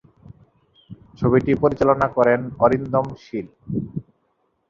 ছবিটি পরিচালনা করেন অরিন্দম শীল।